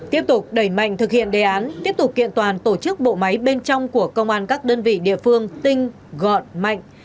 tiếp tục đẩy mạnh thực hiện đề án tiếp tục kiện toàn tổ chức bộ máy bên trong của công an các đơn vị địa phương tinh gọn mạnh